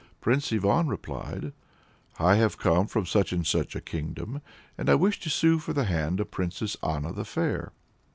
Prince Ivan replied "I have come from such and such a kingdom, and I wish to sue for the hand of the Princess Anna the Fair."